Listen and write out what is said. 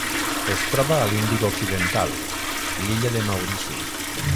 Es troba a l'Índic occidental: l'illa de Maurici.